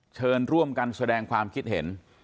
เชิญร่วมกันแสดงความคิดเห็น